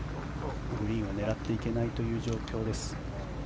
グリーンは狙っていけないという状況です。